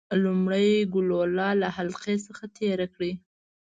لومړی ګلوله له حلقې څخه تیره کړئ.